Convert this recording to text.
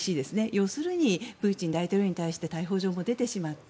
要するにプーチン大統領に対して逮捕状も出てしまった。